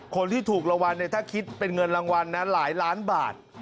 คนที่ถูกรางวัลถ้าคิดเป็นเงินรางวัลนะหลายล้านบาท